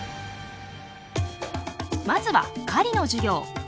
まずは狩りの授業。